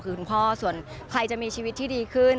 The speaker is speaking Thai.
คือคุณพ่อส่วนใครจะมีชีวิตที่ดีขึ้น